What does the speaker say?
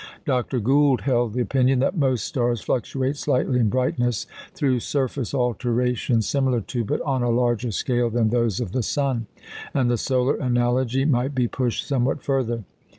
Dr. Gould held the opinion that most stars fluctuate slightly in brightness through surface alterations similar to, but on a larger scale than those of the sun; and the solar analogy might be pushed somewhat further.